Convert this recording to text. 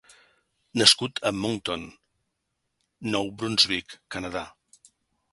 Nascut a Moncton, Nou Brunswick, Canadà.